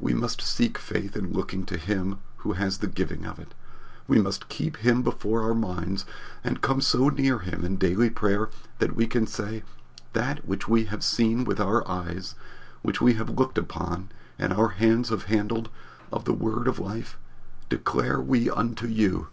We must seek faith in looking to Him who has the giving of it. We must keep Him before our minds, and come so near Him in daily prayer that we can say: "That which we have seen with our eyes, which we have looked upon and our hands have handled, of the Word of Life, declare we unto you."